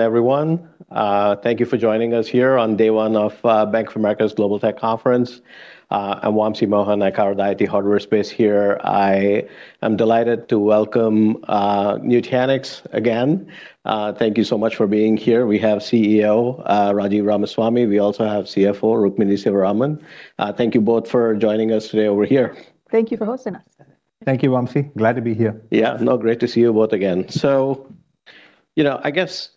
Good afternoon, everyone. Thank you for joining us here on day one of Bank of America Global Tech Conference. I'm Wamsi Mohan. I cover the IT hardware space here. I am delighted to welcome Nutanix again. Thank you so much for being here. We have CEO Rajiv Ramaswami. We also have CFO Rukmini Sivaraman. Thank you both for joining us today over here. Thank you for hosting us. Thank you, Wamsi. Glad to be here. Yeah. No, great to see you both again. I guess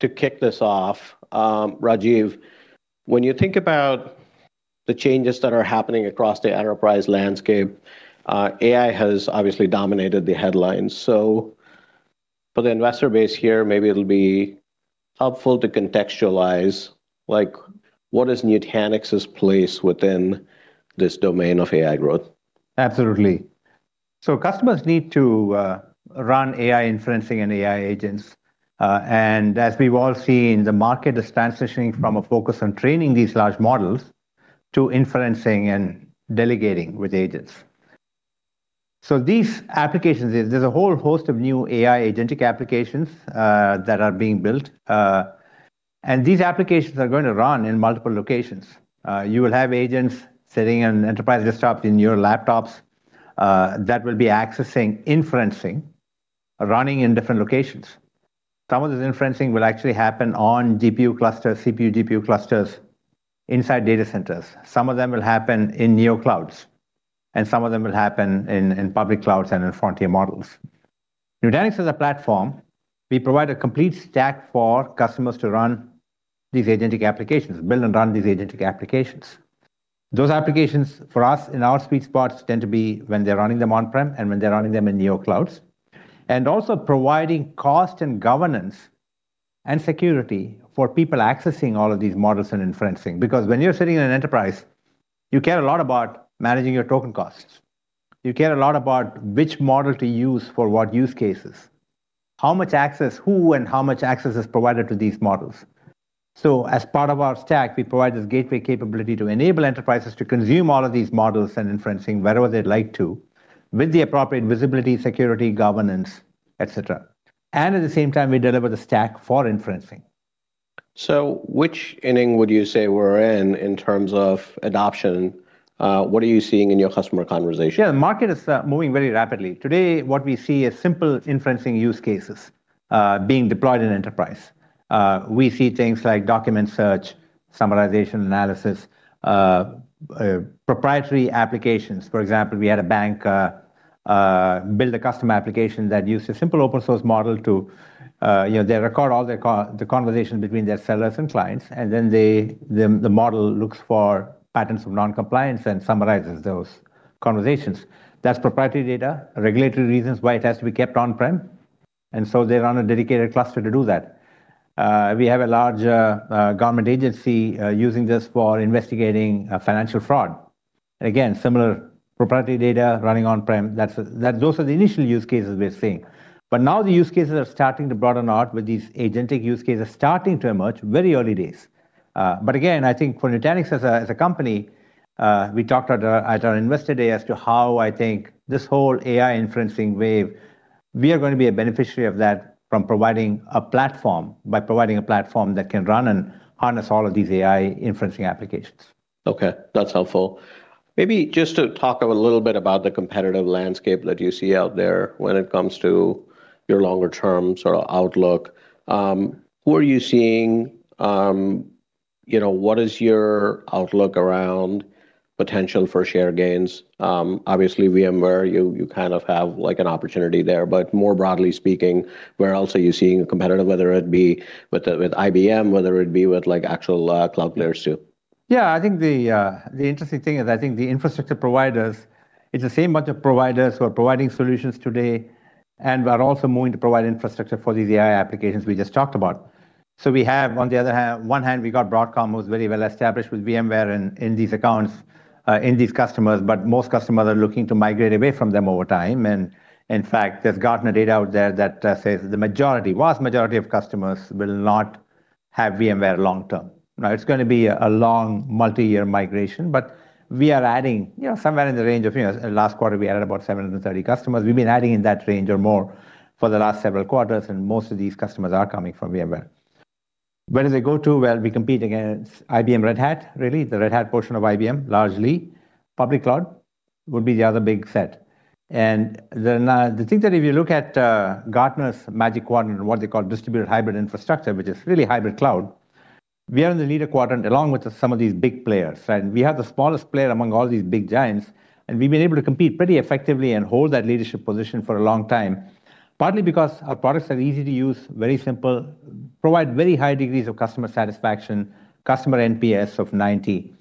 to kick this off, Rajiv, when you think about the changes that are happening across the enterprise landscape, AI has obviously dominated the headlines. For the investor base here, maybe it'll be helpful to contextualize, what is Nutanix's place within this domain of AI growth? Absolutely. Customers need to run AI inferencing and AI agents. As we've all seen, the market is transitioning from a focus on training these large models to inferencing and delegating with agents. These applications, there's a whole host of new AI agentic applications that are being built. These applications are going to run in multiple locations. You will have agents sitting on enterprise desktops in your laptops, that will be accessing inferencing running in different locations. Some of this inferencing will actually happen on GPU clusters, CPU-GPU clusters inside data centers. Some of them will happen in neoclouds, and some of them will happen in public clouds and in frontier models. Nutanix is a platform. We provide a complete stack for customers to run these agentic applications, build and run these agentic applications. Those applications for us in our sweet spots tend to be when they're running them on-prem and when they're running them in neoclouds. Also providing cost and governance and security for people accessing all of these models and inferencing. When you're sitting in an enterprise, you care a lot about managing your token costs. You care a lot about which model to use for what use cases, how much access, who and how much access is provided to these models. As part of our stack, we provide this gateway capability to enable enterprises to consume all of these models and inferencing wherever they'd like to, with the appropriate visibility, security, governance, et cetera. At the same time, we deliver the stack for inferencing. Which inning would you say we're in terms of adoption? What are you seeing in your customer conversations? Yeah, the market is moving very rapidly. Today, what we see is simple inferencing use cases being deployed in enterprise. We see things like document search, summarization analysis, proprietary applications. For example, we had a bank build a custom application that used a simple open source model. They record all the conversation between their sellers and clients, and then the model looks for patterns of noncompliance and summarizes those conversations. That's proprietary data, regulatory reasons why it has to be kept on-prem, and so they run a dedicated cluster to do that. We have a large government agency using this for investigating financial fraud. Again, similar proprietary data running on-prem. Those are the initial use cases we are seeing. Now the use cases are starting to broaden out with these agentic use cases starting to emerge. Very early days. Again, I think for Nutanix as a company, we talked at our Investor Day as to how I think this whole AI inferencing wave, we are going to be a beneficiary of that from providing a platform, by providing a platform that can run and harness all of these AI inferencing applications. That's helpful. Just to talk a little bit about the competitive landscape that you see out there when it comes to your longer-term outlook. Who are you seeing? What is your outlook around potential for share gains? Obviously, VMware, you kind of have an opportunity there, but more broadly speaking, where else are you seeing a competitor, whether it be with IBM, whether it be with actual cloud players, too? Yeah, I think the interesting thing is I think the infrastructure providers, it's the same bunch of providers who are providing solutions today and who are also moving to provide infrastructure for these AI applications we just talked about. We have, on one hand, we got Broadcom who's very well established with VMware and in these accounts, in these customers. Most customers are looking to migrate away from them over time, and in fact, there's Gartner data out there that says the vast majority of customers will not have VMware long term. Now, it's going to be a long multi-year migration, but we are adding somewhere Last quarter, we added about 730 customers. We've been adding in that range or more for the last several quarters, and most of these customers are coming from VMware. Where do they go to? Well, we compete against IBM Red Hat, really, the Red Hat portion of IBM, largely. Public cloud would be the other big set. The thing that if you look at Gartner Magic Quadrant and what they call distributed hybrid infrastructure, which is really hybrid cloud, we are in the leader quadrant along with some of these big players. We are the smallest player among all these big giants, and we've been able to compete pretty effectively and hold that leadership position for a long time, partly because our products are easy to use, very simple, provide very high degrees of customer satisfaction, customer NPS of 90.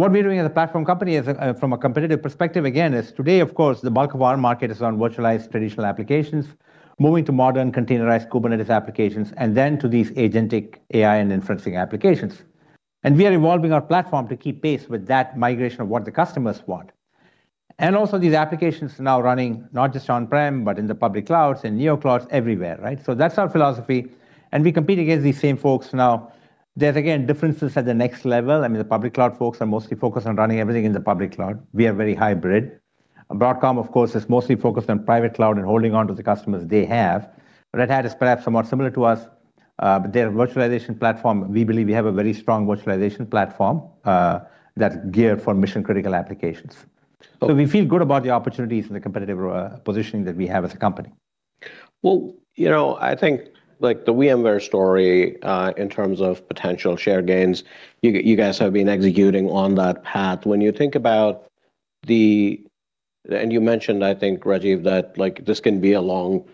What we're doing as a platform company from a competitive perspective, again, is today, of course, the bulk of our market is on virtualized traditional applications, moving to modern containerized Kubernetes applications, and then to these agentic AI and inferencing applications. We are evolving our platform to keep pace with that migration of what the customers want. Also these applications now running not just on-prem, but in the public clouds, in neoclouds, everywhere, right? That's our philosophy, and we compete against these same folks now. There's, again, differences at the next level. The public cloud folks are mostly focused on running everything in the public cloud. We are very hybrid. Broadcom, of course, is mostly focused on private cloud and holding onto the customers they have. Red Hat is perhaps somewhat similar to us, but their virtualization platform, we believe we have a very strong virtualization platform that's geared for mission-critical applications. We feel good about the opportunities and the competitive positioning that we have as a company. Well, I think the VMware story, in terms of potential share gains, you guys have been executing on that path. You mentioned, I think, Rajiv, that this can be a long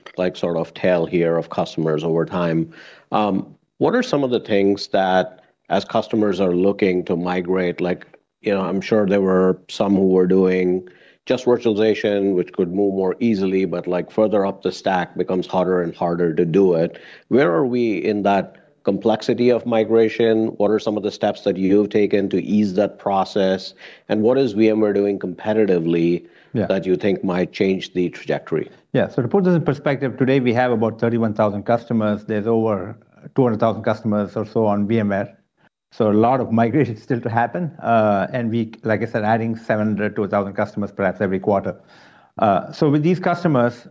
tail here of customers over time. What are some of the things that as customers are looking to migrate, I'm sure there were some who were doing just virtualization, which could move more easily, but further up the stack becomes harder and harder to do it. Where are we in that complexity of migration? What are some of the steps that you've taken to ease that process? What is VMware doing competitively- Yeah. That you think might change the trajectory? Yeah. To put this in perspective, today we have about 31,000 customers. There's over 200,000 customers or so on VMware, a lot of migration still to happen. We, like I said, adding 700-1,000 customers, perhaps every quarter. With these customers,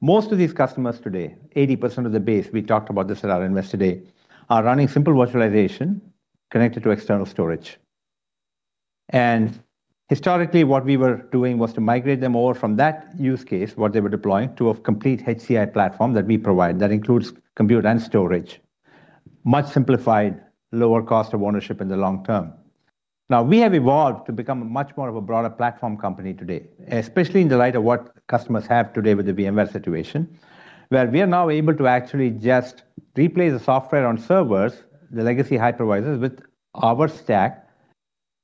most of these customers today, 80% of the base, we talked about this at our Investor Day, are running simple virtualization connected to external storage. Historically, what we were doing was to migrate them over from that use case, what they were deploying, to a complete HCI platform that we provide that includes compute and storage. Much simplified, lower cost of ownership in the long term. We have evolved to become much more of a broader platform company today, especially in the light of what customers have today with the VMware situation, where we are now able to actually just replay the software on servers, the legacy hypervisors, with our stack.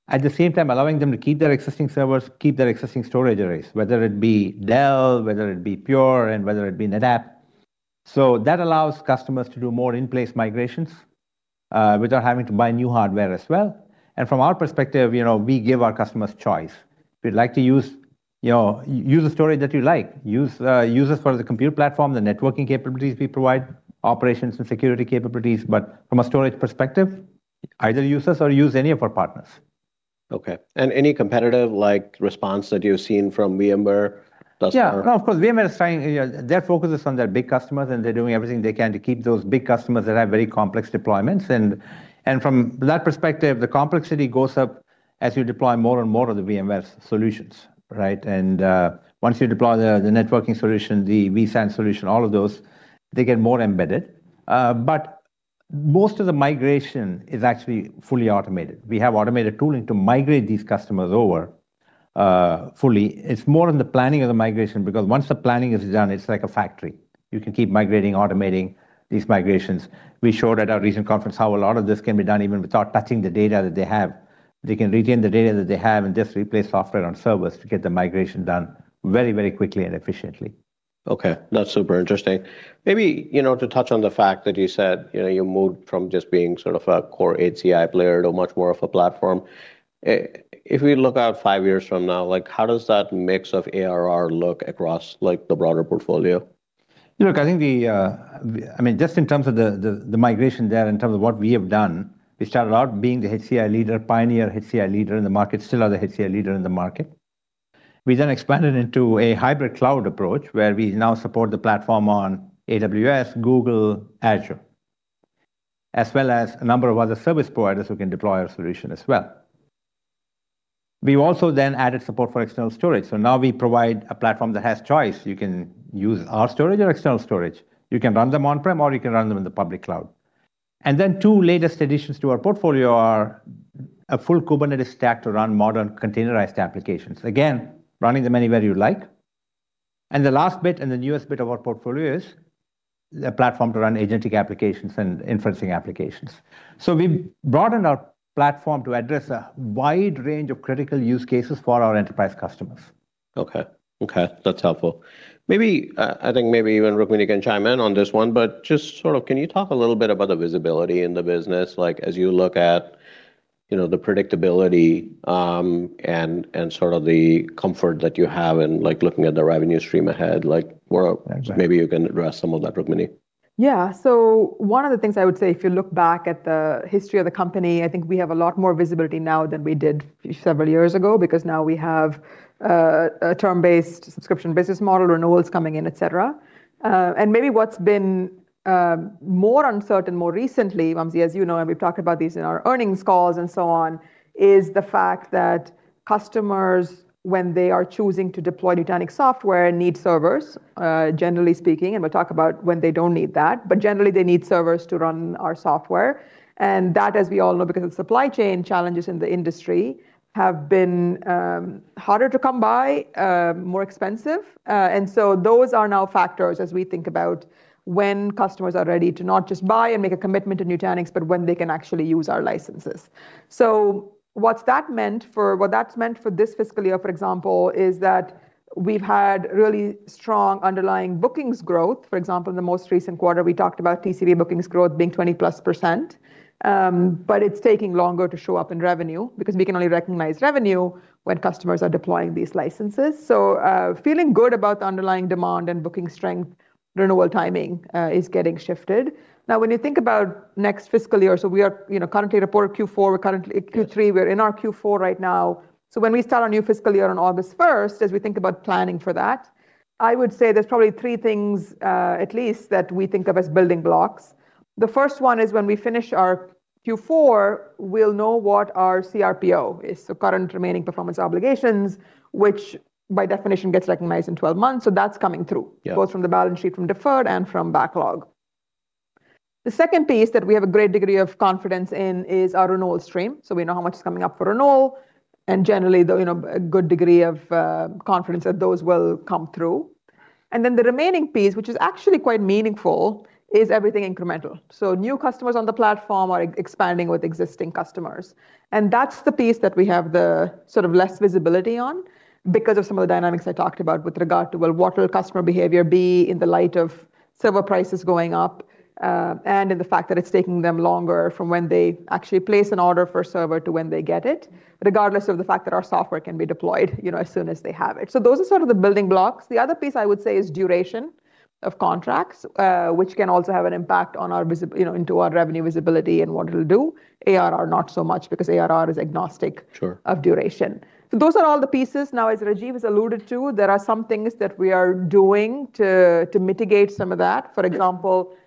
At the same time allowing them to keep their existing servers, keep their existing storage arrays, whether it be Dell, whether it be Pure, and whether it be NetApp. That allows customers to do more in-place migrations without having to buy new hardware as well. From our perspective, we give our customers choice. We'd like to use the storage that you like. Use us for the compute platform, the networking capabilities we provide, operations and security capabilities. From a storage perspective, either use us or use any of our partners. Okay. Any competitive response that you've seen from VMware thus far? No, of course, VMware, their focus is on their big customers, and they are doing everything they can to keep those big customers that have very complex deployments. From that perspective, the complexity goes up as you deploy more and more of the VMware solutions. Right? Once you deploy the networking solution, the vSAN solution, all of those, they get more embedded. Most of the migration is actually fully automated. We have automated tooling to migrate these customers over fully. It is more in the planning of the migration because once the planning is done, it is like a factory. You can keep migrating, automating these migrations. We showed at our recent conference how a lot of this can be done even without touching the data that they have. They can retain the data that they have and just replace software on servers to get the migration done very quickly and efficiently. Okay. That's super interesting. Maybe to touch on the fact that you said you moved from just being sort of a core HCI player to much more of a platform. If we look out five years from now, how does that mix of ARR look across the broader portfolio? Look, I think just in terms of the migration there, in terms of what we have done, we started out being the HCI leader, pioneer HCI leader in the market. Still are the HCI leader in the market. We expanded into a distributed hybrid infrastructure approach, where we now support the platform on AWS, Google, Azure. As well as a number of other service providers who can deploy our solution as well. We've also then added support for external storage. Now we provide a platform that has choice. You can use our storage or external storage. You can run them on-prem or you can run them in the public cloud. Two latest additions to our portfolio are a full Kubernetes stack to run modern containerized applications. Again, running them anywhere you like. The last bit and the newest bit of our portfolio is a platform to run agentic applications and inferencing applications. We've broadened our platform to address a wide range of critical use cases for our enterprise customers. Okay. That's helpful. I think maybe even, Rukmini, you can chime in on this one. Just can you talk a little bit about the visibility in the business as you look at the predictability and sort of the comfort that you have in looking at the revenue stream ahead. Maybe you can address some of that, Rukmini. Yeah. One of the things I would say, if you look back at the history of the company, I think we have a lot more visibility now than we did several years ago because now we have a term-based subscription business model, renewals coming in, et cetera. Maybe what's been more uncertain more recently, Wamsi, as you know, and we've talked about these in our earnings calls and so on, is the fact that customers, when they are choosing to deploy Nutanix software, need servers, generally speaking. We'll talk about when they don't need that. Generally, they need servers to run our software, and that, as we all know, because of supply chain challenges in the industry, have been harder to come by, more expensive. Those are now factors as we think about when customers are ready to not just buy and make a commitment to Nutanix, but when they can actually use our licenses. What that's meant for this fiscal year, for example, is that we've had really strong underlying bookings growth. For example, in the most recent quarter, we talked about TCV bookings growth being 20%+. It's taking longer to show up in revenue because we can only recognize revenue when customers are deploying these licenses. Feeling good about the underlying demand and booking strength, renewal timing is getting shifted. When you think about next fiscal year, we currently report Q4, we're currently in Q3. We're in our Q4 right now. When we start our new fiscal year on August 1st, as we think about planning for that, I would say there's probably three things at least that we think of as building blocks. The first one is when we finish our Q4, we'll know what our CRPO is. Current remaining performance obligations, which by definition gets recognized in 12 months. That's coming through- Yeah. Both from the balance sheet, from deferred and from backlog. The second piece that we have a great degree of confidence in is our renewal stream. We know how much is coming up for renewal, and generally, a good degree of confidence that those will come through. The remaining piece, which is actually quite meaningful, is everything incremental. New customers on the platform are expanding with existing customers. That's the piece that we have the less visibility on because of some of the dynamics I talked about with regard to, well, what will customer behavior be in the light of server prices going up, and in the fact that it's taking them longer from when they actually place an order for a server to when they get it, regardless of the fact that our software can be deployed as soon as they have it. Those are sort of the building blocks. The other piece I would say is duration of contracts, which can also have an impact into our revenue visibility and what it'll do. ARR not so much because ARR is agnostic- Sure. Of duration. Those are all the pieces. As Rajiv has alluded to, there are some things that we are doing to mitigate some of that.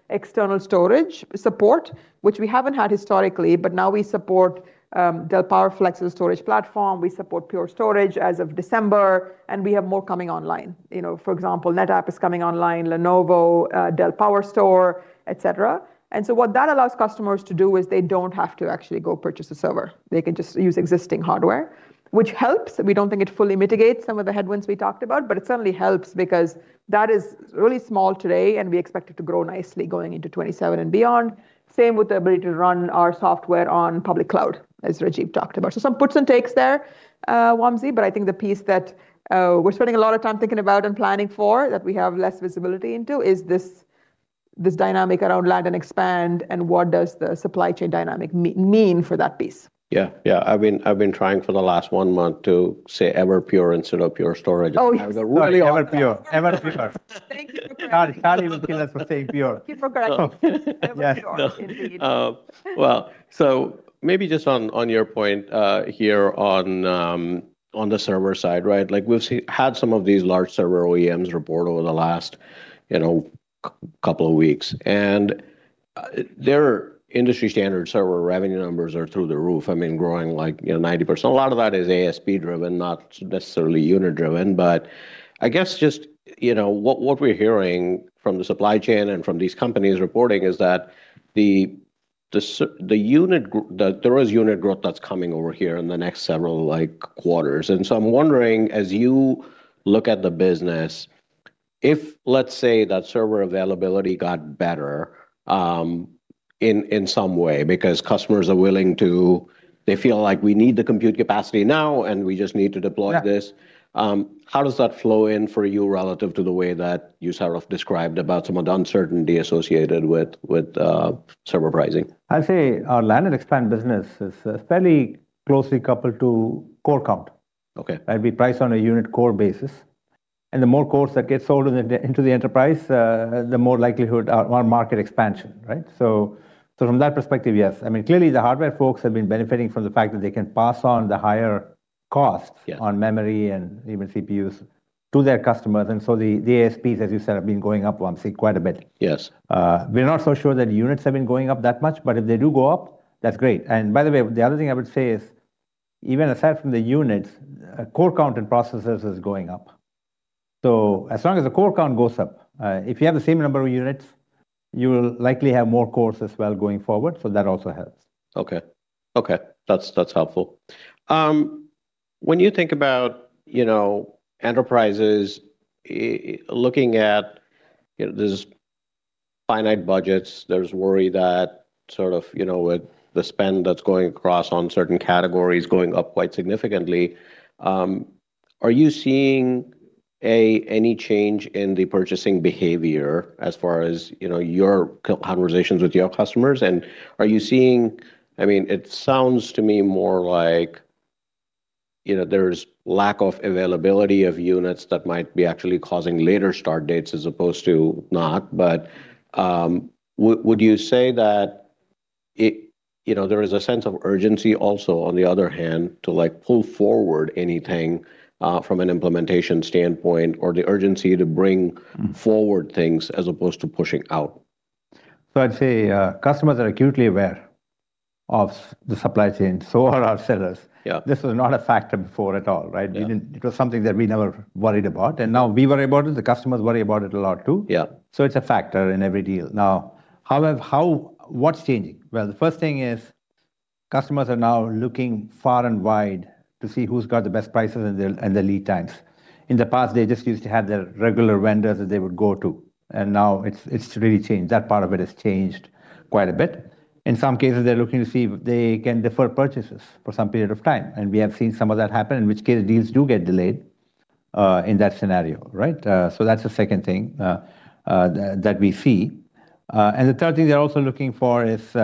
External storage support, which we haven't had historically, but now we support Dell PowerFlex's storage platform, we support Pure Storage as of December, and we have more coming online. NetApp is coming online, Lenovo, Dell PowerStore, et cetera. What that allows customers to do is they don't have to actually go purchase a server. They can just use existing hardware, which helps. We don't think it fully mitigates some of the headwinds we talked about, but it certainly helps because that is really small today, and we expect it to grow nicely going into 2027 and beyond. Same with the ability to run our software on public cloud, as Rajiv talked about. Some puts and takes there, Wamsi, but I think the piece that we're spending a lot of time thinking about and planning for, that we have less visibility into, is this dynamic around land and expand, and what does the supply chain dynamic mean for that piece? Yeah. I've been trying for the last one month to say Everpure instead of Pure Storage. Oh, yes. Really Everpure. Thank you for correcting. Charlie will kill us for saying Pure. He forgot. Everpure, indeed. Maybe just on your point here on the server side, right? We've had some of these large server OEMs report over the last couple of weeks. Their industry standard server revenue numbers are through the roof, growing 90%. A lot of that is ASP driven, not necessarily unit driven. I guess just what we're hearing from the supply chain and from these companies reporting is that there is unit growth that's coming over here in the next several quarters. I'm wondering, as you look at the business, if let's say that server availability got better in some way because customers feel like we need the compute capacity now, and we just need to deploy this. Yeah. How does that flow in for you relative to the way that you sort of described about some of the uncertainty associated with server pricing? I'd say our land and expand business is fairly closely coupled to core count. Okay. We price on a unit core basis. The more cores that get sold into the enterprise, the more likelihood on market expansion. Right? From that perspective, yes. Clearly, the hardware folks have been benefiting from the fact that they can pass on the higher cost- Yeah. On memory and even CPUs to their customers. The ASPs, as you said, have been going up, Wamsi, quite a bit. Yes. We're not so sure that units have been going up that much, but if they do go up, that's great. By the way, the other thing I would say is, even aside from the units, core count and processors is going up. As long as the core count goes up, if you have the same number of units, you will likely have more cores as well going forward, so that also helps. Okay. That's helpful. When you think about enterprises looking at there's finite budgets, there's worry that sort of with the spend that's going across on certain categories going up quite significantly. Are you seeing any change in the purchasing behavior as far as your conversations with your customers? It sounds to me more like there's lack of availability of units that might be actually causing later start dates as opposed to not. Would you say that there is a sense of urgency also on the other hand, to pull forward anything, from an implementation standpoint, or the urgency to bring forward things as opposed to pushing out? I'd say customers are acutely aware of the supply chain. So are our sellers. Yeah. This was not a factor before at all, right? Yeah. It was something that we never worried about. Now we worry about it, the customers worry about it a lot, too. Yeah. It's a factor in every deal. What's changing? The first thing is customers are now looking far and wide to see who's got the best prices and the lead times. In the past, they just used to have their regular vendors that they would go to. Now it's really changed. That part of it has changed quite a bit. In some cases, they're looking to see if they can defer purchases for some period of time. We have seen some of that happen, in which case deals do get delayed in that scenario. That's the second thing that we see. The third thing they're also looking for is,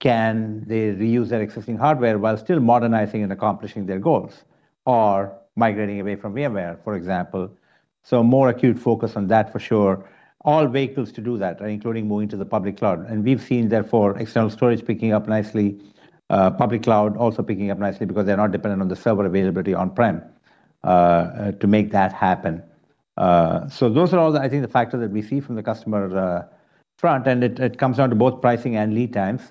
can they reuse their existing hardware while still modernizing and accomplishing their goals? Migrating away from VMware, for example. More acute focus on that, for sure. All vehicles to do that, including moving to the public cloud. We've seen, therefore, external storage picking up nicely, public cloud also picking up nicely because they're not dependent on the server availability on-prem to make that happen. Those are all, I think, the factors that we see from the customer front, and it comes down to both pricing and lead times.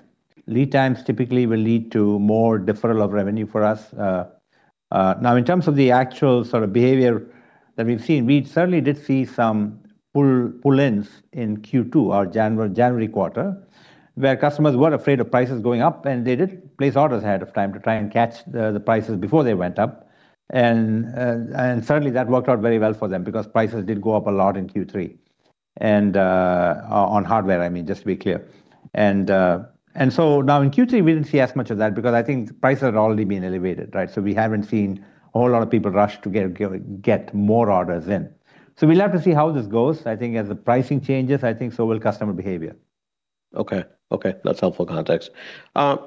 Lead times typically will lead to more deferral of revenue for us. In terms of the actual sort of behavior that we've seen, we certainly did see some pull-ins in Q2, our January quarter, where customers were afraid of prices going up, and they did place orders ahead of time to try and catch the prices before they went up. Certainly, that worked out very well for them because prices did go up a lot in Q3. On hardware, I mean, just to be clear. Now in Q3, we didn't see as much of that because I think prices had already been elevated, right? We haven't seen a whole lot of people rush to get more orders in. We'll have to see how this goes. I think as the pricing changes, I think so will customer behavior. Okay. That's helpful context.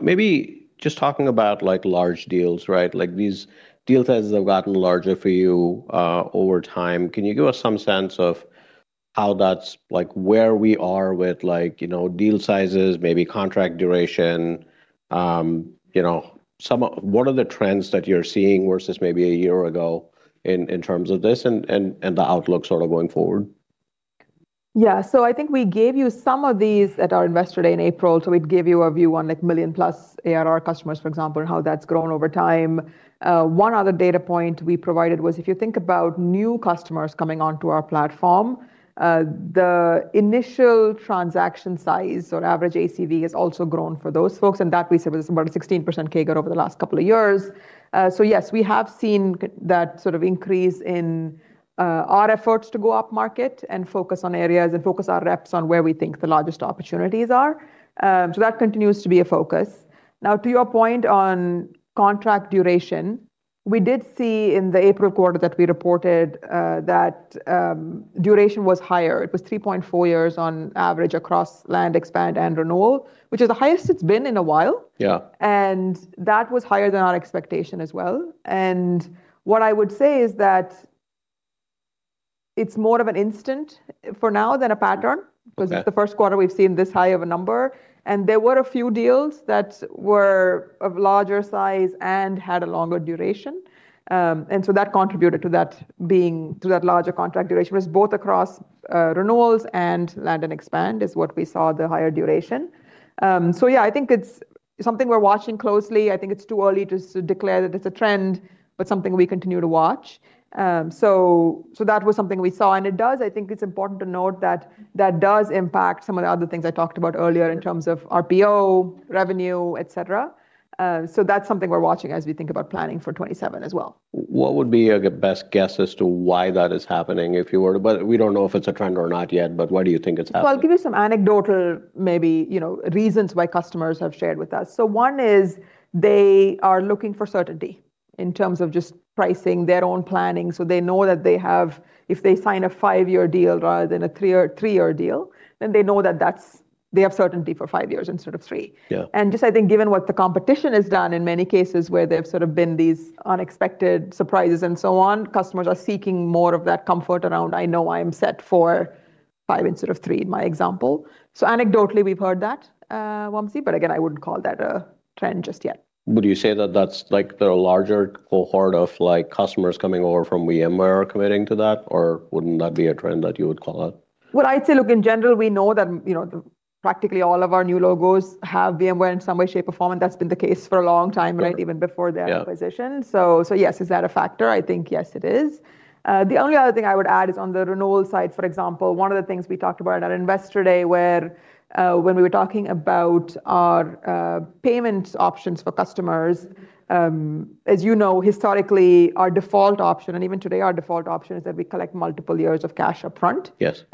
Maybe just talking about large deals, right? These deal sizes have gotten larger for you over time. Can you give us some sense of where we are with deal sizes, maybe contract duration? What are the trends that you're seeing versus maybe a year ago in terms of this and the outlook sort of going forward? I think we gave you some of these at our Investor Day in April, we gave you a view on million-plus ARR customers, for example, and how that's grown over time. One other data point we provided was if you think about new customers coming onto our platform, the initial transaction size or average ACV has also grown for those folks, and that we said was about a 16% CAGR over the last couple of years. Yes, we have seen that sort of increase in our efforts to go upmarket and focus on areas, and focus our reps on where we think the largest opportunities are. That continues to be a focus. To your point on contract duration, we did see in the April quarter that we reported that duration was higher. It was 3.4 years on average across land expand and renewal, which is the highest it's been in a while. Yeah. That was higher than our expectation as well. What I would say is that it's more of an instant for now than a pattern because it's the first quarter we've seen this high of a number, and there were a few deals that were of larger size and had a longer duration. That contributed to that larger contract duration. It was both across renewals and land and expand is what we saw the higher duration. Yeah, I think it's something we're watching closely. I think it's too early to declare that it's a trend, but something we continue to watch. That was something we saw, and I think it's important to note that that does impact some of the other things I talked about earlier in terms of RPO, revenue, et cetera. That's something we're watching as we think about planning for 2027 as well. What would be your best guess as to why that is happening, but we don't know if it's a trend or not yet, but why do you think it's happening? Well, I'll give you some anecdotal, maybe, reasons why customers have shared with us. One is they are looking for certainty in terms of just pricing their own planning, so they know that if they sign a five-year deal rather than a three-year deal, then they know that they have certainty for five years instead of three. Yeah. Just, I think given what the competition has done in many cases, where there have sort of been these unexpected surprises and so on, customers are seeking more of that comfort around, "I know I'm set for five instead of three," in my example. Anecdotally, we've heard that, Wamsi, but again, I wouldn't call that a trend just yet. Would you say that that's the larger cohort of customers coming over from VMware are committing to that, or wouldn't that be a trend that you would call it? What I'd say, look, in general, we know that practically all of our new logos have VMware in some way, shape, or form. That's been the case for a long time already- Yeah. Even before the acquisition. Yes. Is that a factor? I think yes, it is. The only other thing I would add is on the renewal side, for example, one of the things we talked about at our Investor Day where when we were talking about our payment options for customers. As you know, historically, our default option, and even today, our default option is that we collect multiple years of cash up front- Yes.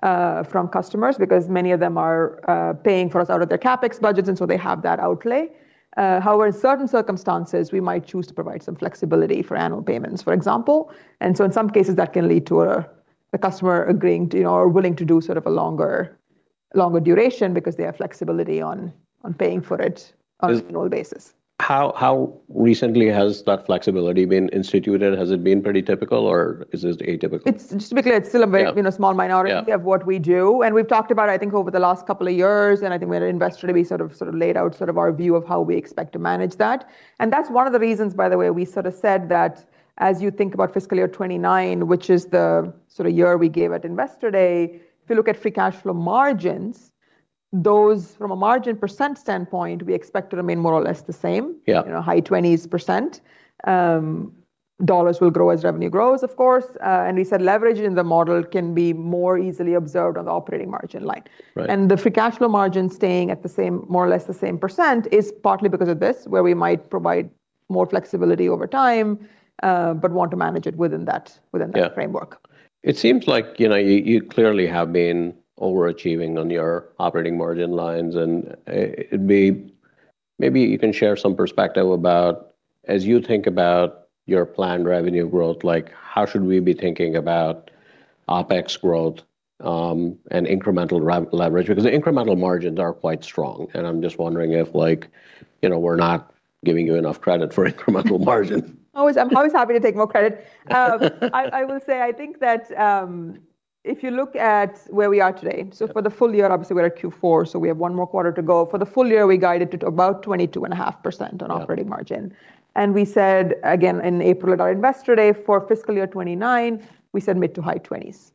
From customers because many of them are paying for us out of their CapEx budgets, and so they have that outlay. However, in certain circumstances, we might choose to provide some flexibility for annual payments, for example. In some cases, that can lead to a customer agreeing to, or willing to do sort of a longer duration because they have flexibility on paying for it- Is- An annual basis. How recently has that flexibility been instituted? Has it been pretty typical, or is this atypical? Just to be clear, it's still a very- Yeah. Small minority- Yeah. Of what we do. We've talked about, I think, over the last couple of years, and I think at our Investor Day, we sort of laid out our view of how we expect to manage that. That's one of the reasons, by the way, we sort of said that as you think about fiscal year 2029, which is the sort of year we gave at Investor Day, if you look at free cash flow margins, those from a margin percent standpoint, we expect to remain more or less the same. Yeah. High 20%. Dollars will grow as revenue grows, of course. We said leverage in the model can be more easily observed on the operating margin line. Right. The free cash flow margin staying at more or less the same percent is partly because of this, where we might provide more flexibility over time, but want to manage it within that framework. It seems like you clearly have been overachieving on your operating margin lines, and maybe you can share some perspective about as you think about your planned revenue growth, how should we be thinking about OpEx growth and incremental leverage? Because the incremental margins are quite strong, and I'm just wondering if we're not giving you enough credit for incremental margin. I'm always happy to take more credit. If you look at where we are today. For the full-year, obviously we're at Q4, so we have one more quarter to go. For the full-year, we guided to about 22.5% on operating margin. We said, again, in April at our Investor Day for fiscal year 2029, we said mid to high 20s.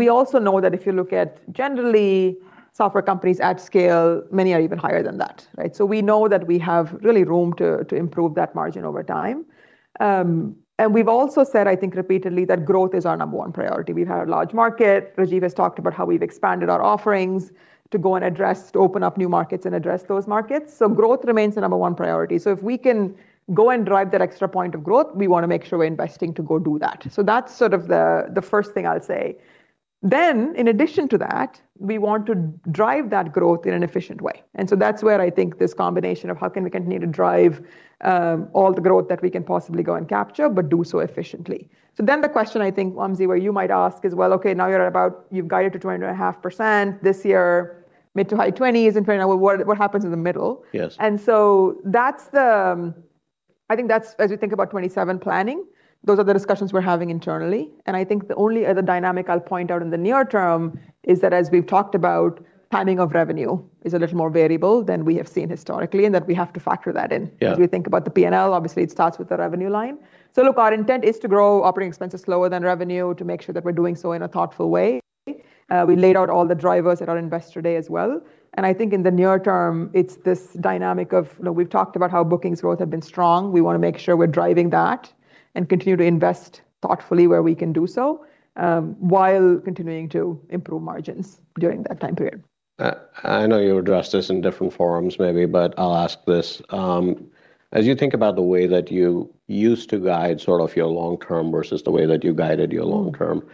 We also know that if you look at generally software companies at scale, many are even higher than that. Right? We know that we have really room to improve that margin over time. We've also said, I think, repeatedly, that growth is our number one priority. We've had a large market. Rajiv has talked about how we've expanded our offerings to go and open up new markets and address those markets. Growth remains the number one priority. If we can go and drive that extra point of growth, we want to make sure we're investing to go do that. That's the first thing I'll say. In addition to that, we want to drive that growth in an efficient way. That's where I think this combination of how can we continue to drive all the growth that we can possibly go and capture, but do so efficiently. The question I think, Wamsi, where you might ask is, well, okay, now you've guided to 22.5% this year, mid to high 20s in fiscal 2029. What happens in the middle? Yes. As we think about 2027 planning, those are the discussions we're having internally. I think the only other dynamic I'll point out in the near term is that as we've talked about, timing of revenue is a little more variable than we have seen historically, and that we have to factor that in. Yeah. As we think about the P&L, obviously it starts with the revenue line. Look, our intent is to grow operating expenses slower than revenue to make sure that we're doing so in a thoughtful way. We laid out all the drivers at our Investor Day as well. I think in the near term, it's this dynamic of, we've talked about how bookings growth have been strong. We want to make sure we're driving that and continue to invest thoughtfully where we can do so, while continuing to improve margins during that time period. I know you addressed this in different forums maybe, but I'll ask this. As you think about the way that you used to guide your long term versus the way that you guided your long term,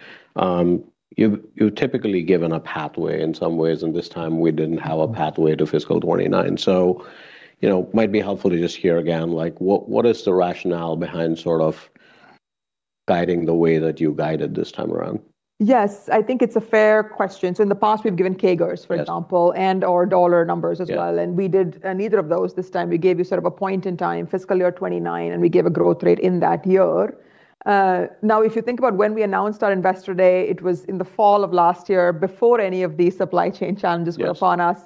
you've typically given a pathway in some ways, and this time we didn't have a pathway to fiscal 2029. Might be helpful to just hear again, what is the rationale behind guiding the way that you guided this time around? Yes. I think it's a fair question. In the past, we've given CAGRs, for example, and/or dollar numbers as well. Yeah. We did neither of those this time. We gave you a point in time, fiscal year 2029, and we gave a growth rate in that year. If you think about when we announced our Investor Day, it was in the fall of last year before any of these supply chain challenges- Yes. Were upon us.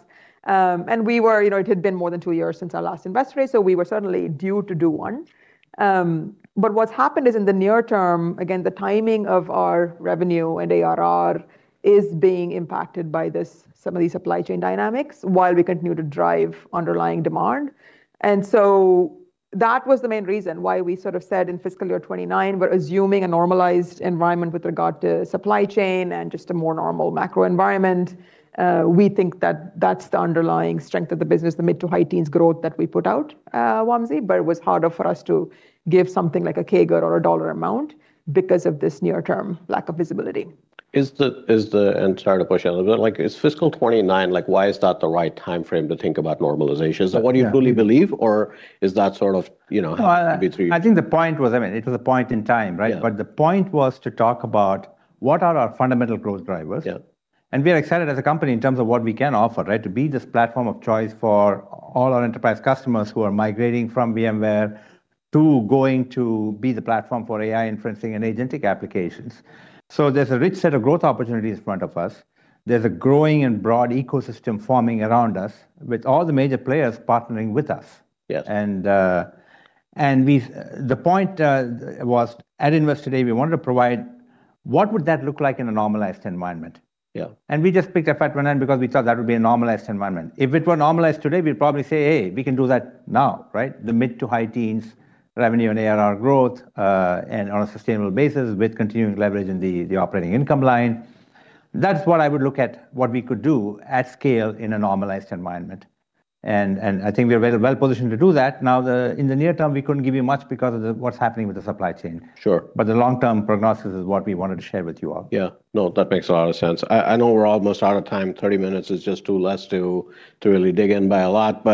It had been more than two years since our last Investor Day, so we were certainly due to do one. What's happened is in the near term, again, the timing of our revenue and ARR is being impacted by some of these supply chain dynamics while we continue to drive underlying demand. That was the main reason why we said in fiscal year 2029, we're assuming a normalized environment with regard to supply chain and just a more normal macro environment. We think that that's the underlying strength of the business, the mid to high teens growth that we put out, Wamsi. It was harder for us to give something like a CAGR or a dollar amount because of this near term lack of visibility. Sorry to push a little bit, is fiscal 2029, why is that the right timeframe to think about normalization? I think it was a point in time, right? Yeah. The point was to talk about what are our fundamental growth drivers. Yeah. We are excited as a company in terms of what we can offer, right? To be this platform of choice for all our enterprise customers who are migrating from VMware to going to be the platform for AI inferencing and agentic applications. There's a rich set of growth opportunities in front of us. There's a growing and broad ecosystem forming around us with all the major players partnering with us. Yes. The point was at Investor Day, we wanted to provide what would that look like in a normalized environment. Yeah. We just picked that one because we thought that would be a normalized environment. If it were normalized today, we'd probably say, "Hey, we can do that now," right? The mid to high teens revenue and ARR growth, and on a sustainable basis with continuing leverage in the operating income line, that's what I would look at, what we could do at scale in a normalized environment. I think we are very well-positioned to do that. Now, in the near term, we couldn't give you much because of what's happening with the supply chain. Sure. The long-term prognosis is what we wanted to share with you all. That makes a lot of sense. I know we're almost out of time. 30 minutes is just too less to really dig in by a lot.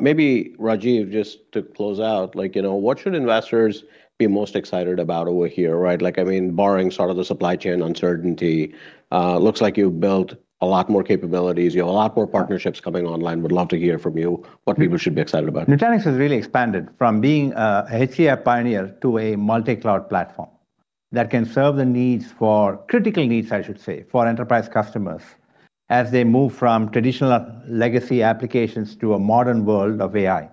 Maybe Rajiv, just to close out, what should investors be most excited about over here, right? Barring the supply chain uncertainty, looks like you've built a lot more capabilities. You have a lot more partnerships coming online. Would love to hear from you what people should be excited about. Nutanix has really expanded from being a HCI pioneer to a multi-cloud platform that can serve the critical needs, I should say, for enterprise customers as they move from traditional legacy applications to a modern world of AI.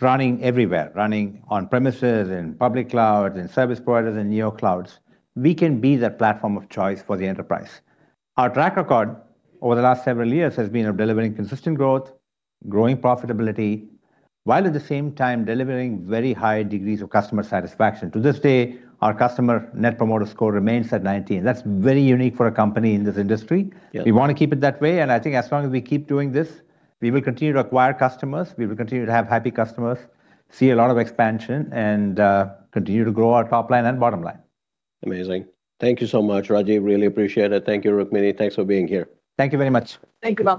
Running everywhere, running on premises, in public clouds, in service providers, in neoclouds. We can be that platform of choice for the enterprise. Our track record over the last several years has been of delivering consistent growth, growing profitability, while at the same time delivering very high degrees of customer satisfaction. To this day, our customer net promoter score remains at 90. That's very unique for a company in this industry. Yeah. We want to keep it that way. I think as long as we keep doing this, we will continue to acquire customers, we will continue to have happy customers, see a lot of expansion, and continue to grow our top line and bottom line. Amazing. Thank you so much, Rajiv. Really appreciate it. Thank you, Rukmini. Thanks for being here. Thank you very much. Thank you, Wamsi.